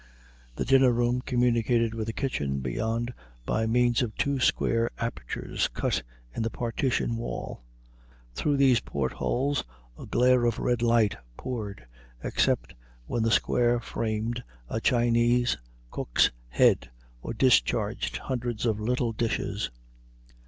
The dinner room communicated with a kitchen beyond by means of two square apertures cut in the partition wall. Through these portholes a glare of red light poured, except when the square framed a Chinese cook's head, or discharged hundreds of little dishes.